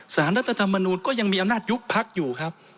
รัฐธรรมนูลก็ยังมีอำนาจยุบพักอยู่ครับ